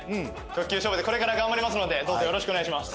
直球勝負でこれから頑張りますのでどうぞよろしくお願いします